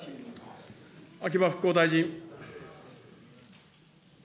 秋葉復興大臣。